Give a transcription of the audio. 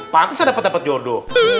pak atisah dapet dapet jodoh